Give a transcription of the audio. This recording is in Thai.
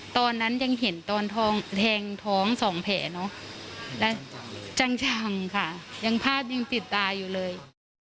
ตอนนั้นยังเห็นตอนแทงท้องสองแผลเนอะและจังค่ะยังภาพยังติดตาอยู่เลย